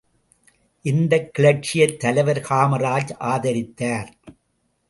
இந்தக் கிளர்ச்சியைத் தலைவர் காமராஜ் ஆதரித்தார்.